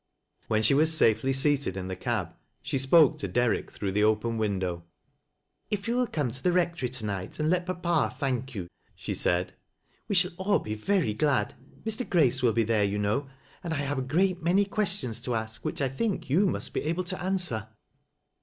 When she was safely seated in the cab, she spoke to Derrick through the open window. " If you will come to the Eectory to night, and let papa thank you," she said, " we shall all be verj glad. Mr. Grace will be there, yau know, and I have a great many questions to ask which T think you must be able to answer."